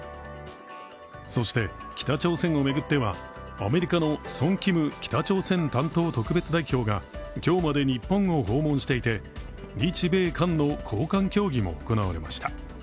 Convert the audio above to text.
そして、北朝鮮を巡ってはアメリカのソン・キム北朝鮮担当特別代表が今日まで日本を訪問していて、日米韓の高官協議も行われました。